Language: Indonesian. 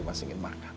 mas segini makan